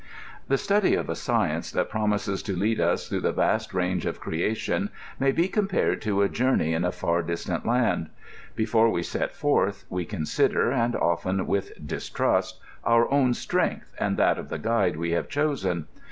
The study of a science that promises to lead us through the vast range of creation may be compared to a journey in a far distant land. Before we set forth, we consider, and oflen with distrust, our own strength, and that of the guide we have chosen.